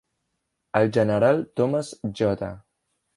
El general Thomas J.